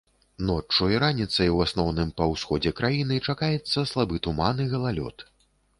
Ноччу і раніцай у асноўным па ўсходзе краіны чакаецца слабы туман і галалёд.